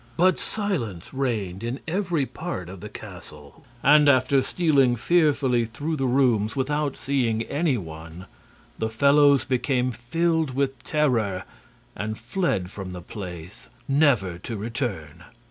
But silence reigned in every part of the castle, and after stealing fearfully through the rooms without seeing any one the fellows became filled with terror and fled from the place, never to return.